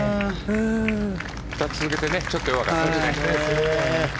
２つ続けてちょっと弱かったですね。